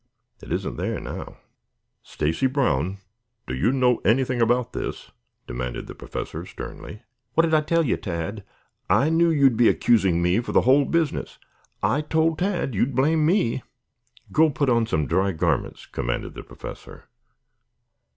It isn't there now." "Stacy Brown, do you know anything about this?" demanded the Professor sternly. "What'd I tell you, Tad? I knew you'd be accusing me for the whole business. I told Tad you would blame me." "Go put on some dry garments," commanded the Professor.